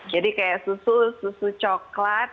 jadi kayak susu susu coklat